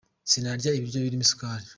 sinarya ibiryo birimo isukari